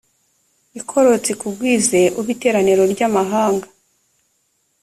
ikororotse ikugwize ube iteraniro ry amahanga